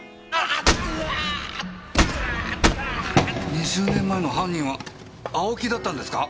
２０年前の犯人は青木だったんですか？